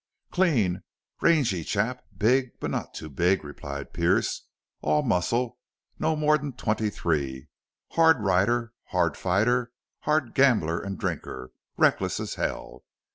"Clean, rangy chap, big, but not too big," replied Pearce. "All muscle. Not more'n twenty three. Hard rider, hard fighter, hard gambler an' drinker reckless as hell.